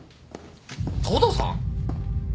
東堂さん？